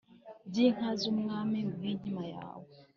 by’inka z’umwami nguhe inkima yawe,